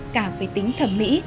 cả về tính thẩm mỹ